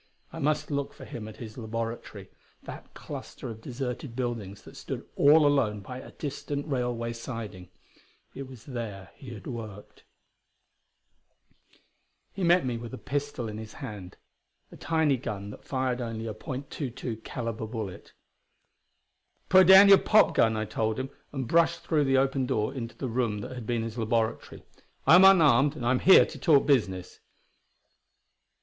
I must look for him at his laboratory, that cluster of deserted buildings that stood all alone by a distant railway siding; it was there he had worked. He met me with a pistol in his hand a tiny gun that fired only a .22 calibre bullet. "Put down your pop gun," I told him and brushed through the open door into the room that had been his laboratory. "I am unarmed, and I'm here to talk business.